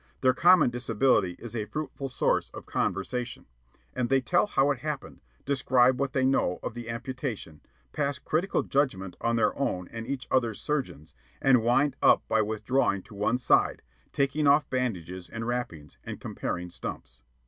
Their common disability is a fruitful source of conversation; and they tell how it happened, describe what they know of the amputation, pass critical judgment on their own and each other's surgeons, and wind up by withdrawing to one side, taking off bandages and wrappings, and comparing stumps.